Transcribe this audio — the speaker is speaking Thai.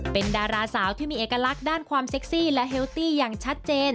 เป็นดาราสาวที่มีเอกลักษณ์ด้านความเซ็กซี่และเฮลตี้อย่างชัดเจน